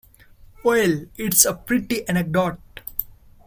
Well, it's a pretty anecdote.